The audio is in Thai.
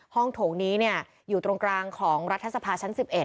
ห้องโถงนี้เนี่ยอยู่ตรงกลางของรัฐสภาชั้น๑๑